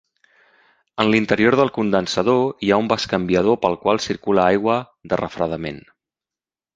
En l'interior del condensador hi ha un bescanviador pel qual circula aigua de refredament.